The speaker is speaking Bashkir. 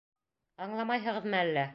Аңламайһығыҙмы әллә?